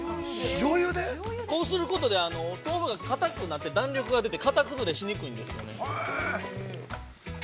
そうすることで、豆腐がかたくなって、弾力が出て、型崩れしにくいんですね。